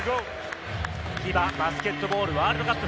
ＦＩＢＡバスケットボールワールドカップ